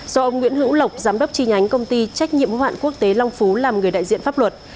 do ông nguyễn hữu lộc giám đốc tri nhánh công ty trách nhiệm hữu hạn quốc tế long phú làm người đại diện pháp luật